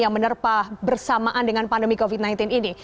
yang menerpa bersamaan dengan pandemi covid sembilan belas ini